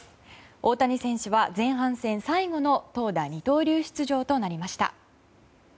大谷選手は前半戦最後の投打二刀流出場となりました。